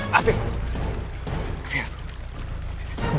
gue gak ngerti perasaan lo gimana